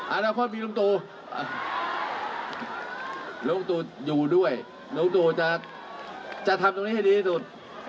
อนาคตมีลุงตูลุงตูอยู่ด้วยลุงตู่จะทำตรงนี้ให้ดีที่สุด